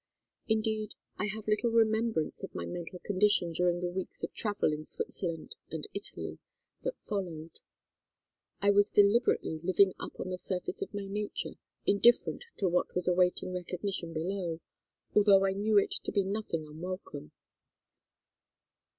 Indeed I have little remembrance of my mental condition during the weeks of travel in Switzerland and Italy that followed. I was deliberately living up on the surface of my nature, indifferent to what was awaiting recognition below, although I knew it to be nothing unwelcome.